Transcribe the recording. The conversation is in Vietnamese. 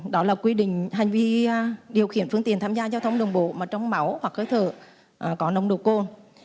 đó là quy định hành vi điều khiển phương tiện tham gia giao thông đường bộ mà trong máu hoặc hơi thở có nồng độ cồn